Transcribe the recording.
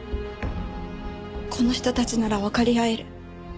この人たちならわかり合える。